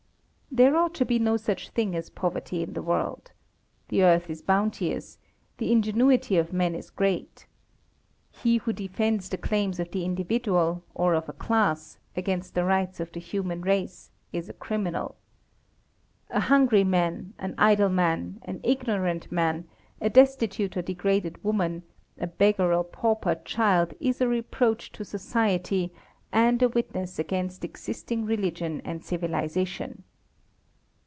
There ought to be no such thing as poverty in the world. The earth is bounteous: the ingenuity of man is great. He who defends the claims of the individual, or of a class, against the rights of the human race is a criminal. A hungry man, an idle man, an ignorant man, a destitute or degraded woman, a beggar or pauper child is a reproach to Society and a witness against existing religion and civilisation.